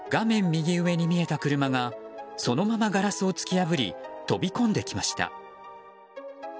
右上に見えた車がそのままガラスを突き破り飛び込んできました。